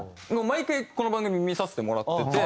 毎回この番組見させてもらってて。